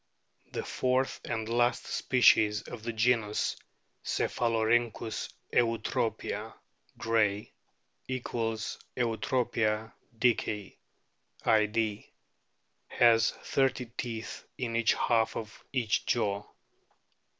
The fourth and last species of the genus Cephalo rhynclms eutropia, Gray| (= Eutropia dickei, Id.), has thirty teeth in each half of each jaw.